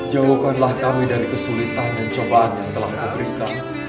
jauhkanlah kami dari kesulitan dan cobaan yang telah kuberikan